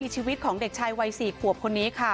ชีวิตของเด็กชายวัย๔ขวบคนนี้ค่ะ